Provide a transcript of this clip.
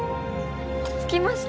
着きました。